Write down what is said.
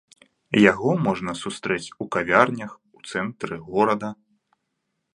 Яго можна сустрэць у кавярнях у цэнтры горада.